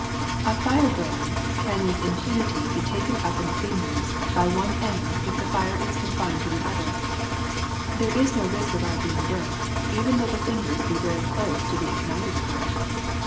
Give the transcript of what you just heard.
''A firebrand can with impunity be taken up in the fingers by one end if the fire is confined to the other; there is no risk of our being burnt, even though the fingers be very close to the ignited part."